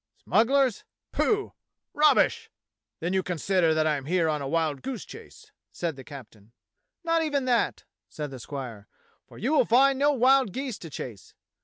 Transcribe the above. Smugglers? Pooh! Rubbish!" "Then you consider that I am here on a wildgoose chase?" said the captain. "Not even that," said the squire; "for you will find no wild geese to chase.